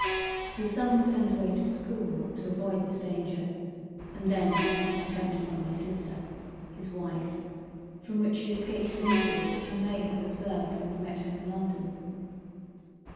His son was sent away to school to avoid this danger, and then came an attempt upon my sister, his wife, from which she escaped with injuries that you may have observed when you met her in London.